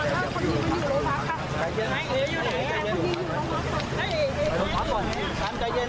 มันไม่ได้กำลังต้องแบบนี้เนี่ย